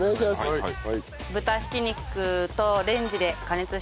はい。